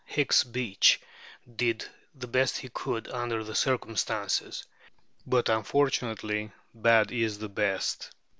Hicks Beach did the best he could under the circumstances; but, unfortunately, bad is the best.